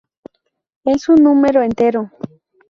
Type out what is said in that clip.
Es un número entero.